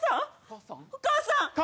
お母さん！？